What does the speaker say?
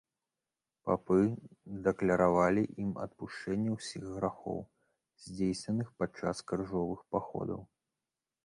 Папы дакляравалі ім адпушчэнне ўсіх грахоў, здзейсненых пад час крыжовых паходаў.